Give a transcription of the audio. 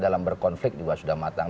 dalam berkonflik juga sudah matang